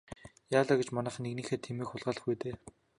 Яалаа гэж манайхан нэгнийхээ тэмээг хулгайлах вэ дээ.